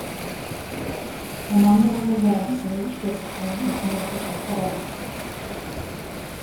The number of events in each discipline is noted in parentheses.